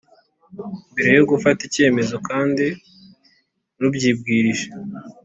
Mbere yo gufata icyemezo kandi rubyibwirije